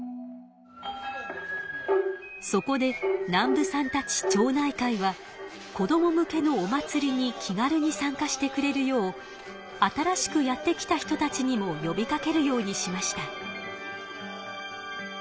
そこで南部さんたち町内会は子ども向けのお祭りに気軽に参加してくれるよう新しくやって来た人たちにもよびかけるようにしました。